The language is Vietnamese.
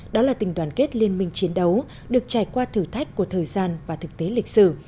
đó là tình đoàn kết liên minh chiến đấu được trải qua thử thách của thời gian và thực tế lịch sử